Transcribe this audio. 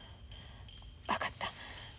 分かった。